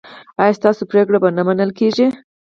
ایا ستاسو پریکړې به نه منل کیږي؟